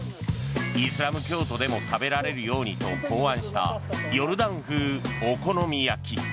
イスラム教徒でも食べられるようにと考案したヨルダン風お好み焼き。